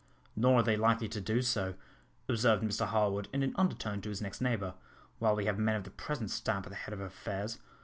"Nor are they likely to do so," observed Mr Harwood in an under tone to his next neighbour, "while we have men of the present stamp at the head of affairs.